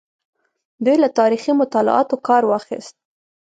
دوی له تاریخي مطالعاتو کار واخیست.